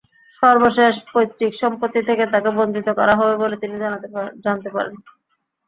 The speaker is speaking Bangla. সর্বশেষ পৈতৃক সম্পত্তি থেকে তাঁকে বঞ্চিত করা হবে বলে তিনি জানতে পারেন।